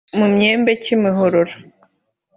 Mu myembe-Kimihurura